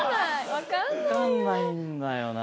分かんないんだよな。